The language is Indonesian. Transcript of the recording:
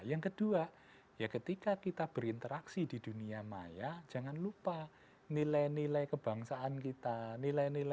yang kedua ya ketika kita berinteraksi di dunia maya jangan lupa nilai nilai kebangsaan kita nilai nilai sosial kita yang baik ya harus dibawa